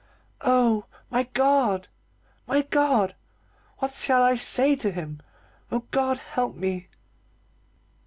Oh, my God! my God! what shall I say to him? Oh, God help me!"